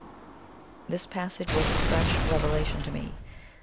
This passage was a fresh revelation to me.